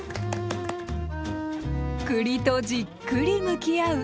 栗とじっくり向き合う